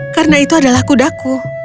karena itu adalah kudaku